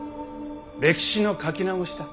歴史の書き直しだ。